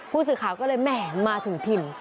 ผู้สื่อข่าวก็เลยแหมมาถึงถิ่น